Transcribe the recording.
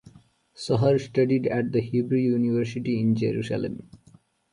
Shahar studied at the Hebrew University in Jerusalem.